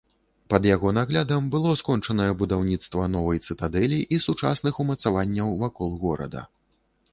Пад яго наглядам было скончанае будаўніцтва новай цытадэлі і сучасных умацаванняў вакол горада.